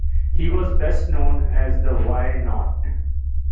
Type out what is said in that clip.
He was best known as the Why Not?